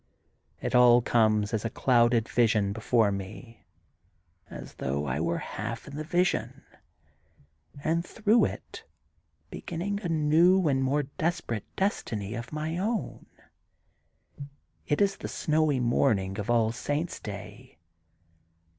It all comes as a clouded vision before me 802 THE GOLDEN BOOK OF SPRINGFIELD as though I were half in the vision, and through it beginning a new and more desper ate destiny of my own. It is the snowy morn ing of All Saints ' Day.